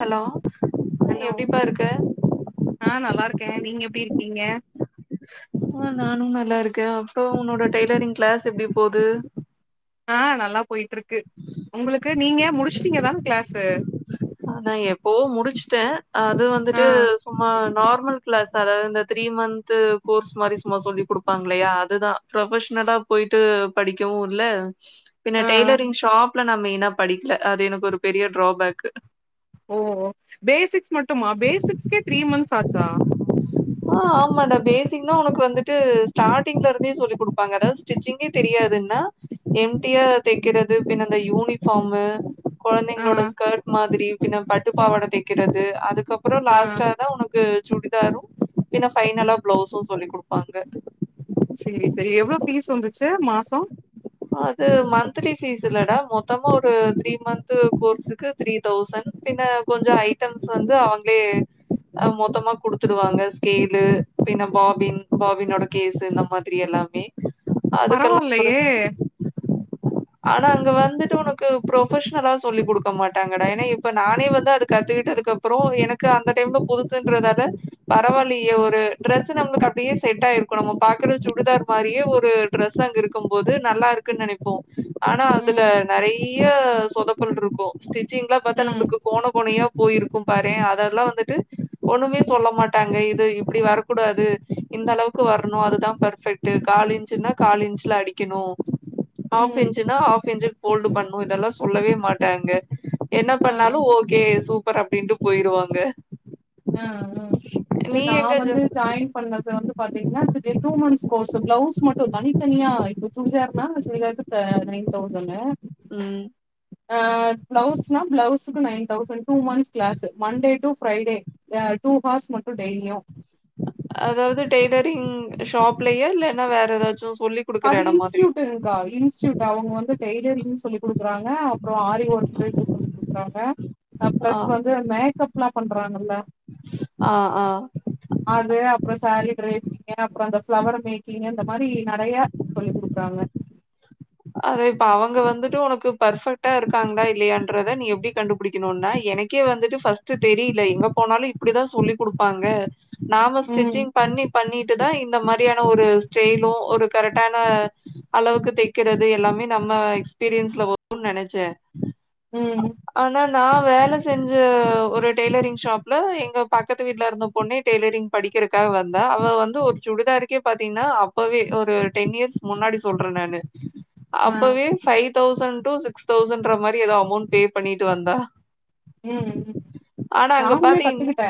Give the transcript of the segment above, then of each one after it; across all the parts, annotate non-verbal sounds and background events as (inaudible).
Hello அ hello எப்டிப்பா இருக்க ஆ நல்லா இருக்கே நீங்க எப்டி இருக்கீங்க ஆ நானு நல்லாருக் க அப்றோ உன்னோட டெய்லரிங் க்ளாஸ் எப்டி போது ஆ நல்லா போயிட்டுருக்கு உங்ளுக்கு நீங்க முடிச்டீங்க தான க்ளாஸ் நா எப்போவோ முடிச்சுட்டே அது ஆ வந்துட்டு சும்மா நார்மல் க்ளாஸ் அதாவ்து இந்த த்ரீ மந்த்து கோர்ஸ் மாரி சும்மா சொல்லி குடுப்பாங்கல்லையா அதுதா ப்ரொஃப்ஷனலா போயிட்டு படிக்கவூ இல்ல பின்ன ஆ டெய்லரிங் ஷாப்ல நா மெயினா படிக்கல அது எனக்கு ஒரு பெரிய ட்ராபேக் (unintelligible) ஓ பேசிக்ஸ் மட் டுமா பேசிக்ஸ் கே த்ரீ மந்த்ஸ் ஆச்சா ஆ ஆமாடா பேசிக்னா உனக்கு வந்துட்டு ஸ்டார்டிங்லருந்தே சொல்லி குடுப்பாங்க அதாவது ஸ்டிச்சிங்கே தெரியாதுன்னா எம்டியா தெக்கிறது பின்ன அந்த யூனிஃபார்மு ஆ கொழந்தைங்ளோட ஸ்கர்ட் மாதிரி பின்ன பட்டுப் பாவாட தெக்கிறது அதுக் கப்றோ ஆ லாஸ்ட்டா தா உனக்கு சுடிதாரும் பின்ன ஃபைனலா ப்ளௌஸு சொல்லி குடுப்பாங்க செரி செரி எவ்ளோ ஃபீஸ் வந்துச்சே மாசோ அது மந்த்லி ஃபீஸ் இல்லடா மொத்தமா ஒரு த்ரீ மந்த்து கோர்ஸ்சுக்கு த்ரீ தௌசண் பின்னா கொஞ்ச ஐட்டம்ஸ் வந்து அவுங்ளே அ மொத்தமா குடுத்துடுவாங்க ஸ்கேலு பின்ன பாபின் பாபினோட கேஸ்சு இந்த மாதிரி எல்லாமே அதுக்கெல்லா ஒரு பரவாலியே ஆனா அங்க வந்துட்டு உனக்கு புரோஃபஷன்லா சொல்லி குடுக்க மாட்டாங்கடா ஏனா இப்ப நானே வந்து அது கத்துக்கிட்டதுக்கப்பறோ எனக்கு அந்த டைம்லோ புதுசின்றதால பரவாலியே ஒரு ட்ரெஸ்சு நம்ளுக் அப்டியே செட் ஆயிருக்கூ நம்ம பாக்கற சுடிதார் மாரியே ஒரு டிரெஸ் அங்க இருக்கும் போது நல்லாருக்குன் நெனைப்போ ஆனா அதுல ம் நெறை ய்யா சொதப்பல்ருக்கோ ஸ் சிங்லா பாத்தா ம் நம்ளுக்கு கோண கோணையா போயிருக்கோ பாரே அதல்லா வந்துட்டு ஒண்ணுமே சொல்ல மாட்டாங்க இது இப்டி வரக்கூடாது இந்தளவுக்கு வரணு அதுதா பெர்ஃபெக்ட்டு கால் இஞ்ச்னா கால் இஞ்ச்ல அடி க்கிணோ ஹாஃப் ம் இஞ்ச்னா ஹாஃப் இஞ்ச் ஹோல்ட்டு பண்ணோ இதல்லா சொல்லவே மாட்டாங்க என்னா ஆ பண்ணாலோ ஓகே சூப் பர் அப்டின்ட்டு போயிருவாங்க ஆ ஆ இல்ல நீ நா எங்க ஜா வந்து ஜாயின் பண்ணது வந்து பாத்திங்னா த் த தே டூ மன்ஸ் கோர்ஸ் பிளவுஸ் மட்டு தனித்தனியா இப்ப சுடிதார்னா சுடிதாருக்கு தா நைன் தௌசண்னே ம் ஆ ப்ளவுஸ்னா blouse nine thousand two months class Monday to Friday a two hours மட்டு டெய்லியு அதாது டெய்லரிங் ஷாப்லயே இல்லனா வேற ஏதாச்சு சொல்லி குடுக்குற அது எடம் மாதிரியா இன்ஸ்டூயூட்ங்க்கா இன்ஸ்டூயூட் அவுங்க வந்து டைலரிங் சொல்லி குடு க்கறாங்க அப்றோ ஆரி ஒர்க் கு சொல்லி குடுக்குறாங்க அ ஆ ப்ளஸ் வந்து மேக் கப்லா பண்றாங்கல்ல ஆ ஆ அப்ற சாரி (unintelligible) அப்றோ அந்த ஃபிளவர் மேக்கிங் அந்த அதுமாரி நறையா சொல்லி குடுக்குறாங்க அதே இப்ப அவங்க வந்துட்டு உனக்கு பர்ஃபெக்ட்டா இருக்காங்களா இல்லையான்றத நீ எப்டி கண்டுபிடிக்கணுனா எனக்கே வந்துட்டு ஃபர்ஸ்ட் தெரில எங்க போனாலு இப்டிதா சொல்லி குடுப்பாங்க நாம ம் ஸ்டிச்சிங் பண்ணி பண்ணி தா இந்த மாரியான ஒரு செய்னு ஒரு கரெட்டான அளவுக்கு ருக்கிறது எல்லாமே நம்ம எக்ஸ்பீரியன்ஸ்ல வருனு நனச்சே ம் நா வேல செஞ்ச ஒரு டெய்லரிங் ஷாப்ல எங்க பக்கத்து வீட்ல இருந்த பொண்ணே டெய்லரிங் படிக்கிறக்காக வந்தா அவ வந்து ஒரு சுடிதாருக்கே பாத்தீங்கன்னா அப்பவே ஒரு டென் இயர்ஸ் முன்னாடி சொல்ற நானு ஆ அப்பவே ஃபைவ் தௌசண்ட் டு சிக்ஸ் தௌசண்ட்ன்ற மாரி எதோ அமௌண்ட் பே பண்ணிட்டு வந்தா ம்ம் ஆனா அங்க நானுமே பாத்தீங்கன்னா கத்துக்கிட்டே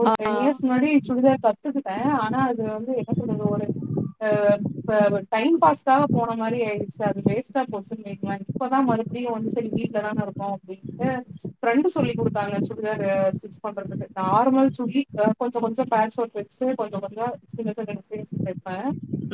ஒரு டென் இயர்ஸ் முன்னாடி சுடிதார் த கத்துக்கிட்டே ஆனா அது வந்து என்ன சொல்றது ஒரு ஆ ஆ டைம் பாஸ்காக போன மாரி ஆயிடுச்சு அது வேஸ்ட்டா போச்சுன்னு வைங்ளே இப்பதா மறுபடியு வந்து சரி வீட்ல தானருக்கோ அப்டின்ட்டு ஃப்ரெண்ட் சொல்லி குடுத்தாங்க சுடிதாரு ஸ்டிச் பண்றதுக்கு நார்மல் சுடி கொஞ்சோ கொஞ்சோ பேன்ட் ஷூட் வச்சு கொஞ்சோ கொஞ்சோ சின்ன சின்ன டிசைன்ஸ் தெப்பே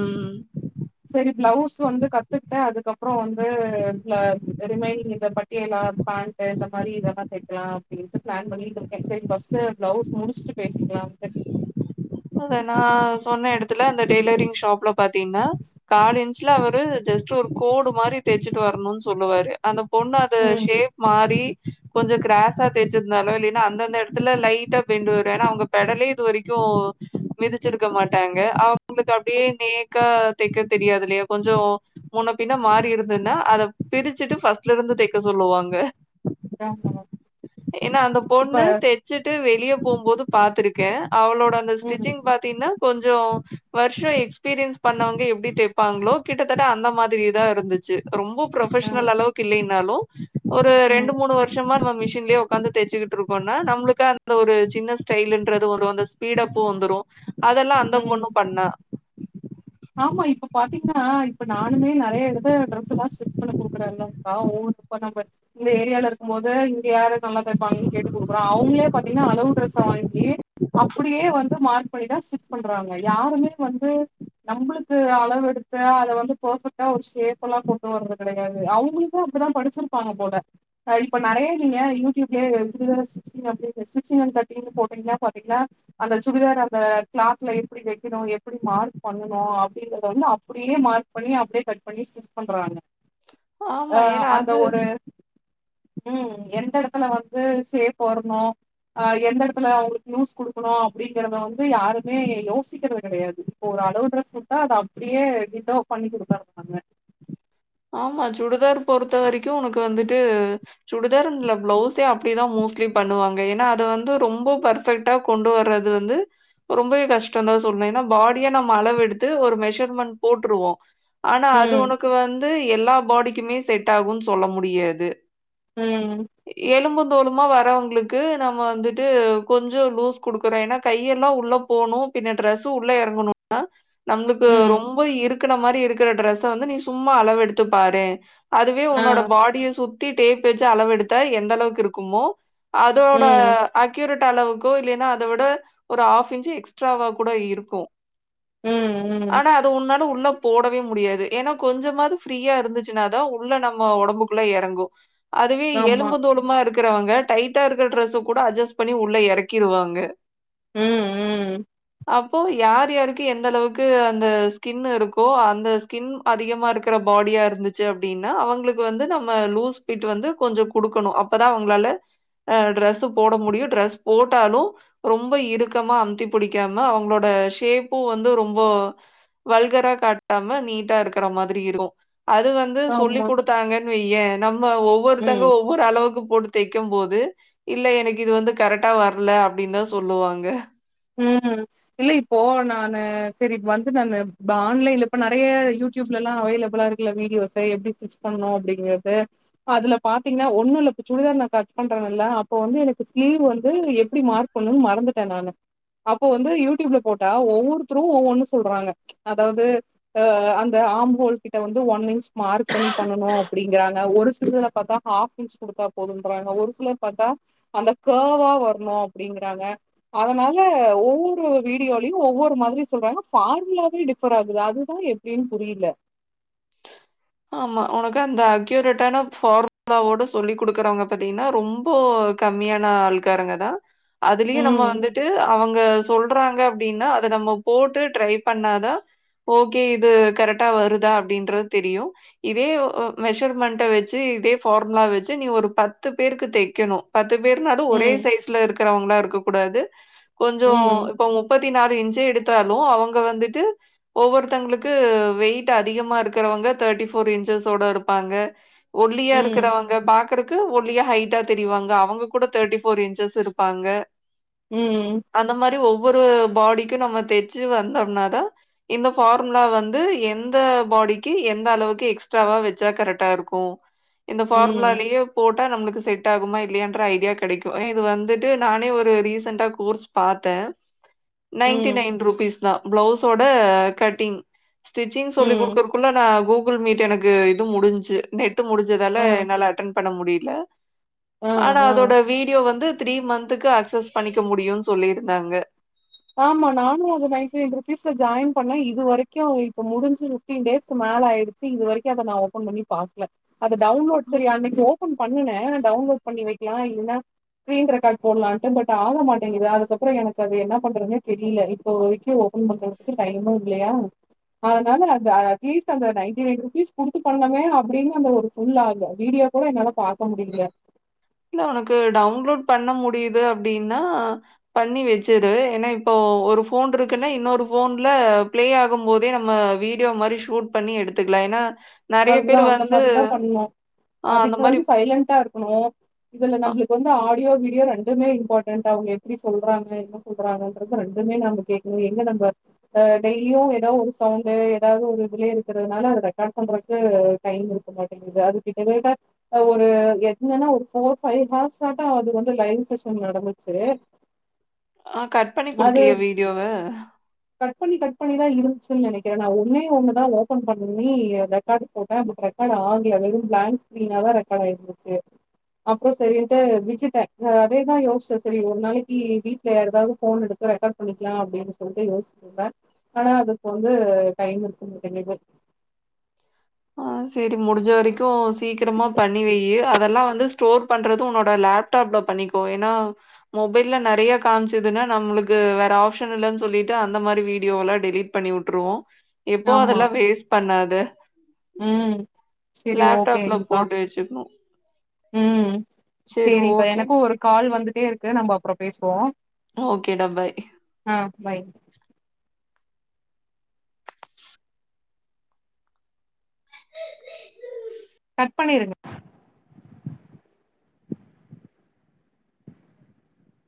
ம் பிளவுஸ் வந்து கத்துக்கிட்டே அதுக்கப்றம் வந்து ப ரிமைனிங் இந்த பட்டியலா பேண்ட் இந்த மாரி இத தெக்கலா அப்டின்ட்டு பிளான் பண்ணிட்டு இருக்கே சரி ஃபஸ்ட் பிளவுஸ் முடிச்சுட்டு பேசிக்கலான்ட்டு அத நா சொன்ன எடத்துல இந்த டெய்லரிங் ஷாப்ல பாத்தீங்கன்னா கால் இஞ் சுல அவரு ஜஸ்ட் ஒரு கோடு மாரி தெச்சுட்டு வரணுன் சொல்லுவாரு அந்த கொண்ணு அது ம். ஷேப் மாறி கொஞ்சம் கிராஸா தேச்சதுனால இல்லைன்னா அந்தந்த இடத்துல லைட்டா பெண்டு வரும் ஏன்னா அவங்க பெடலே இது வரைக்கும் மிதிச்சிருக்க மாட்டாங்க அவ் உங்களுக்கு அப்படியே நேக்கா தைக்க தெரியாது இல்லையா கொஞ்சம் முன்னே பின்னே மாறியிருந்ததுன்னா அதை பிரிச்சுட்டு ஃபர்ஸ்ட்ல இருந்து தைக்க சொல்லுவாங்க ஆமா. ஏன்னா அந்த இப்ப பொண்ணு தச்சுட்டு வெளியே போகும்போது பார்த்திருக்கேன் அவளோட ம். டிச்சிங் பார்த்திங்கன்னா கொஞ்சம் வருஷம் எக்ஸ்பீரியன்ஸ் பண்ணவங்க எப்படி தைப்பாங்களோ கிட்டத்தட்ட அந்த மாதிரி தான் இருந்துச்சு ரொம்ப ஆ. புரொபஷனல் அளவுக்கு இல்லைனாலும் ஒரு ம். ரெண்டு மூணு வருஷமா நான் மிஷின்லயே வந்து தெச்சுக்கிட்டு இருக்கோம்னா நம்மளுக்கு அந்த ஒரு சின்ன ஸ்டைல்ன்றது ஒரு அந்த ஸ்பீடப் போந்துரும் அதெல்லாம் அந்த ம். பொண்ணு பண்ணா ஆமா. (unintelligible) நானுமே நிறைய (unintelligible) ட்ரெஸ் எல்லாம் ஸ்டிச் பண்ண குடுக்குற எல்ல இருக்கா இப்ப நம்ம இந்த ஏரியால இருக்கும் போது இங்க யார் நல்லா தைப்பாங்கன்னு கேட்டு குடுக்குறோம் அவங்களே பாத்தீங்கன்னா அளவு டிரெஸ்ஸ வாங்கி அப்படியே வந்து மார்க் பண்ணிதான் ஸ்டிச் பண்றாங்க யாருமே வந்து நம்மளுக்கு அளவு எடுத்த அதை வந்து பர்ஃபெக்ட்டா ஒரு ஷேப் எல்லாம் போட்டு வர்றது கிடையாது அவங்களுக்கும் அப்படிதான் படிச்சிருப்பாங்க போல இப்ப நெறையா நீங்க யூடியூப்ல ஸ்டிச்சிங் அண்ட் கட்டிங் போட்டீங்கன்னா பாத்தீங்கன்னா அந்த சுடிதார் அந்த கிளாத்ல எப்படி வைக்கணும் எப்படி மார்க் பண்ணணும் அப்படின்றத வந்து அப்படியே மார்க் பண்ணி அப்படியே கட் பண்ணி ஸ்டிச் பண்றாங்க ஆமா ஆஹ் ஏன்னா அந்த அது ஒரு ம் எந்த இடத்துல வந்து சேப் வரணு அ எந்த இடத்துல அவங்களுக்கு நியூஸ் குடுக்கணு அப்டிங்கறத வந்து யாருமே யோசிக்கிறது கிடையாது ப்போ ஒரு அளவு ட்ரஸ் வித்தா அத அப்டியே டிட்டவ் பண்ணி குடுங்க (unintelligible) ஆமா சுடிதார் பொறுத்த வரைக்கு உனக்கு வந்துட்டு சுடிதார் இல்ல பிளவுஸே அப்படிதா மோஸ்ட்லி பண்ணுவாங்க ஏன்னா அத வந்து ரொம்ப பர்ஃபெக்ட்டா கொண்டு வர்றது வந்து ரொம்பவே கஷ்டோ தா சொல்ணு ஏன்னா பாடிய நம்ம அளவ எடுத்து ஒரு மெஷர்மெண்டட் போட்ருவோ ஆனா அது ம் உனக்கு வந்து வந்து எல்லா பாடிக்குமே செட் ஆகும்ன்னு சொல்ல முடியாது உம் ந்தோலுமா வரறவங்களுக்கு நம்ம வந்துட்டு கொஞ்சோ லூஸ் குடுக்குறோ ஏன்னா கையெல்லா உள்ள போணு பின்ன ட்ரெஸ்ஸு உள்ள இறங்கணும்னா நம்மளுக்கு ம் ரொம்ப இருக் க்குன மாரி இருக்கிற டிரெஸ் வந்து நீ சும் ம்மா அளவெடுத்து பாரு அதுவே ஆ உன்னோட பாடிய சுத் த்தி டேப் வச்சு அளவேத்தா எந்ளவுக்கு இருக்குமோ அதோட ம் அக்யூரட் ட்டளவுக்கோ இல்லைன்னா அத விட ஒரு ஹாஃப் இன்ச்சு எக்ஸ்ட்ராவா கூட இருக்கு ம் ம் ஆனா அது உன்னோட உள்ளப் போடவே முடியாது ஏன்னாப் கொஞ்சமாது ஃப்ரீயா இருந்துச்சுனாதா உள்ள நம்மோ உடம்புக்குள்ள இறங்கு அதுவே ஆமா எலும்பு தோலுமா இருக்கு க்கிறவங்க டைட்டா இருக்கிற டிரஸ்ஸ கூட அட்ஜஸ்ட் பண்ணி உள்ள எறக்கிருவாங்க உம் உம் அப்போ யார் யாருக்கு எந்த அளவுக்கு அந்த ஸ்கின் இருக்கோ அந்த ஸ்கின் அதிகமா இருக்கிற பாடியா இருந்துச்சு அப்டின்னா அவங்களுக்கு வந்து நம்ம லூஸ் பிட் வந்து கொஞ்சோ குடுக்கணு அப்பதா அவங்களால அ டிரஸ்ஸு போட முடியு ட்ரஸ் போட்டாலும் ரொம்ப இறுக்கமா அமுதி பிடிக்காம அவங்களோட செப்பு வந்து ரொம்ப வல்கரா காட்டாம நீட்டா இருக் க்கற மாதிரி இரு (unintelligible) அது வந்து சொல்லி் ஆமா குடுத்தாங்கன்னு வை ஏணம் வ ம் ஒவ்வொருத்தங்க ஒவ்வொரு அளவுக்கு போடுத் தைக்கும்போது இல்ல எனக்கு இது வந்து கரெக்டா வரல அப்டின் தா சொல்லுவாங்க ம் இல்ல இப்போ நா செரி வந்து நானு ஆன்லைன்ல இப்ப நெறைய யூடியூப்ல எல்லா அவைலபிலா இருக்குல வீடியோஸ் எப்டி ஸ்டிச் பண்ணணு அப்டிங்கிறது அதுல பாத்தீங்கன்னா ஒண்ணு இல்ல சுடிதார் நா கட் பண்ற இல்ல அப்போ வந்து எனக்கு ஸ்லீவ் வந்து எப்டி மார்க் பண்ணணுனு மறந்துட்டே நானு அப்போ வந்து யூடியூப்ல போட்டா ஒவ்வொருத்தரு ஒவ்வொன்னு சொல்றாங்க அதாவது அ அந்த ஆம்ஹோல் கிட்ட வந்து ஒன் இன்ச் மார்க் பண்ணி பண்ணனு அப்பிடிங்கறாங்க ஒரு சிலர பாத்தா ஹாஃப் இன்ச் குடுத்தா போதுன்றாங்க ஒரு சிலர் பாத்தா அந்த கர்வா வர்ணு அப்டிங்றாங்க அதனால ஒவ்வொரு வீடியோலயு ஒவ்வொரு மாதிரி சொல்றாங்க ஃபார்முலாவே டிஃபர் ஆகுது அதுதா எப்படின் புரில ஆமா உனக்கு அந்த அக்யூரேட்டான ஃபார்முலாவோட சொல்லி குடுக்குறவங்க பாத்திங்னா ரொம்போ கம்மியான ஆள்காரங்கதா அதுலயே நம்ம ம், வந்துட்டு அவங்க சொல் றாங்க அப்டினா அத நம்ம போட்டு ட்ரை பண்ணாதா ஓகே இது கரெக்டா வருதா அப்டின்றது தெரியு இதே அ மெஷர்மெண்ட வச்சு இதே ஃபார்முலா வெச்சு நீ ஒரு பத்து பேருக்கு தெக்கணு பத் து பேர்னாலு ஒரே ம், சைஸ்ல இருக்கிறவங்களா இருக்க கூடாது கொஞ்சோ ம், இப்ப முப்பத் தி நாலு இன்ச் எடுத்தாலு அவங்க வந்துட்டு ஒவ்வொருத்தங்களுக்கு வெயிட் அதிகமா இருக்கிறவங்க தேர்டி ஃபோர் இன்ச்சஸ் ஓட இருப்பாங்க ஒல்லியா ம், இருக்கிறவங்க பாக்குறக் கு ஒல்லியா ஹைட்டா தெரிவாங்க அவங்க கூட தேர்டி ஃபோர் இன்ச்சஸ் இருப்பாங்க ம், அந்த மாரி ஒவ்வொ ரு பாடிக்கு நம்ம தெச்சு வந்தம்னாதா இந்த ஃபார்முலா வந்து எந்த பாடிக்கு எந்த அளவுக்கு எக்ஸ்ட்ராவா வச்சா கரெக்டா இருக்கு இந்த ம், ஃபார்முலாலயே போட்டு இதெல்லாம் நம்மளுக்கு செட் ஆகுமா இல்லயான்ற ஐடியா கிடைக்கும் இது வந்துட்டு நானே ஒரு ரீசண்டா கோர்ஸ் பாத்தே நைன்ட்டி ம், நைன் ரூபீஸ் ஆ பிளவுஸோட கட்டிங் ஸ்டிச்சிங் சொல்லி ம், கொடுக்குறக்குள்ள நான் கூ கூகுள் மீட் எனக்கு இது முடிஞ்சு நெட் முடிஞ்சதால அ, என்னால அட்டன் பண்ண முடில அ, ஆனா அ. அதோட வீடியோ வந்து த்ரீ மந்த் இதுக்கு அக்சஸ் பண்ணிக்க முடியும் சொல்லியிருந்தாங்க ஆமா நானு அது நயன்ட்டிநைன் ருபீஸ்ல ஜாயின் பண்ண இது வரைக்கும் இப்ப முடிஞ்சு பிஃப்டீன் டேஸ்கு மேல ஆயிச்சு இது வரைக்கும் அத நா ஓபன் பண்ணி பாக்கல அது டவுன்லோட் சரி அன்னைக்கு ஓப்பன் பண்ணுன டவுன்லோட் பண்ணி வைக்கலா இல்லன்னா ஸ்கிரீன் ரெக்கார்டு போட்லான்ட்டு பட்டு ஆக மாட்டேங்கது அதுக்கப்பறோ எனக்கு அது என்னப் பண்றதுனே தெரியில இப்போ வரைக்கு ஓபன் பண்றதுக்கு டைம்மு இல்லையா அதனால அந்த அட்லீஸ்ட் அந்த நயன்ட்டிநைன் ருபீஸ் குடுத்து பண்ணமே அப்டின்னு அந்த வீடியோ கூட என்னால பாக்க முடியில இல்ல உனக்கு டவுன்லோட் பண்ண முடியுது அப்டின்னா பண்ணி வச்சிரு ஏன்னா இப்போ ஒரு ஃபோன்ருக்குன்னா இன்னொரு ஃபோன்ல பிளே ஆகும் போதே நம்ம வீடியோ மாதிரி ஷூட் பண்ணி எடுத்துக்கலா ஏன்னா நெறைய அதுதா பேர் அந்த வந்து மாதிரிதா பண்ணு அ அந்த அதுக்கு மாரி வந்து சைலன்டா இருக்கணு இதுல அ நம்பளுக்கு வந்து ஆ ஆடியோ வீடியோ ரெண்டுமே இம்பார்ட்டன்ட் அவங்க எப்டி சொல்றாங்க என்ன சொல்றாங்கன்றது ரெண்டுமே நம்ப கேக்கணு எங்க நம்ப அ டெய்லியு ஏதோ ஒரு சவுண்டு ஏதாவது ஒரு இதுலயே இருக்கிறதுனால அது ரெக்கார்ட் பண்றக்கு டைம் இருக்க மாட்டேங்குது அதுக்கிட்டதட்ட ஒரு எட்னன்னா ஒரு ஃபோர் பைவ் ஹார்ஸ் ஆட்டோ அது வந்து லைவ் செஷன் நடந்துச்சு ஆ கட் பண்ணி அது குடுக்கலையா வீடியோவ கட் பண்ணி கட் பண்ணிதா இருந்துச்சுன்னு நெனைக்கிறே நா ஒன்னே ஒன்னு தா ஓபன் பண்ணி எப் ரெக்கார்டு போட்டா அது ரெக்கார்ட் ஆகல வெறும் பிளாங்க் ஸ்கிரீனா தா ரெக்கார்டு ஆயிருந்துச்சு அப்புற சரின்ட்டு விட்டுட்டே அதேதா யோசிச்சே சரி ஒரு நாளைக்கு வீட்ல யாருக்காவது ஃபோன் எடுத்து ரெக்கார்ட் பண்ணிக்கலாம் அப்படின்னு சொல்லிட்டு யோசிச்சிட்டு இருந்த ஆனா அதுக்கு வந்து டைம் இருக்க மாட்டேங்குது ஆஹ் சரி முடிஞ்ச வரைக்கு சீக்கிரமா பண்ணி வையு அதெல்லா வந்து ஸ்டோர் பண்றது உன்னோட லேப்டாப்ல பண்ணிக்கோ ஏன்னா மொபைல்ல நறைய காமிச்சதுன்னா நம்முளுக்கு வேற ஆப்ஷன் இல்லன்னு சொல்லிட்டு அந்த மாதிரி வீடியோ எல்லா டெலீட் பண்ணி உட்டுருவோ எப்போ அதெல்லா வேஸ்ட் பண்ணாத உம் சரி லேப்டாப்ல ஓகேங்கக்கா போட்டு வச்சுக்கணும். உம் சரி சரிங்க்கா எனக்கு ஓகேடா ஒரு கால் வந்து கிட்டே இருக்கு நம்ப அப்புற பேசுவோம் ஓகே டா பாய் ஆ பை அ கட் பண்ணிருங்க